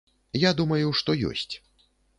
Я думаю, што ёсць.